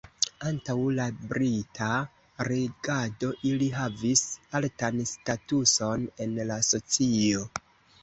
Antaŭ la brita regado, ili havis altan statuson en la socio.